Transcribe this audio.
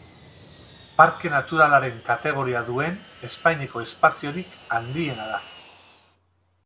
Parke naturalaren kategoria duen Espainiako espaziorik handiena da.